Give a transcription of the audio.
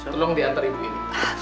tolong dianter ibu ini